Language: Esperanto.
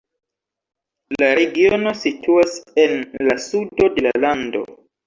La regiono situas en la sudo de la lando.